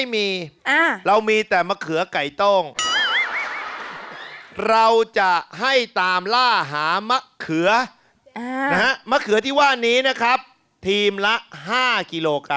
มะเขือแจ้ใช่มะเขือนิ่ง